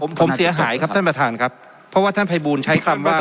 ผมผมเสียหายครับท่านประธานครับเพราะว่าท่านภัยบูลใช้คำว่า